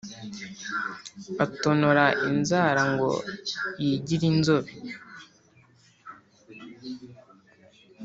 atonora inzara ngo yigire inzobe